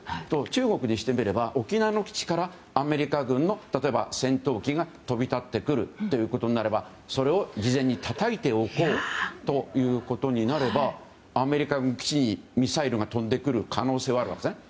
中国にしてみれば沖縄の基地からアメリカ軍の例えば戦闘機が飛び立ってくるということになればそれを事前にたたいておこうということになればアメリカ軍基地にミサイルが飛んでくる可能性があるわけですね。